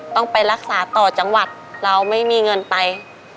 ต้องไปรักษาต่อจังหวัดเราไม่มีเงินไป